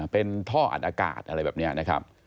เป็นท่ออัดอากาศอะไรแบบนี้นะครับ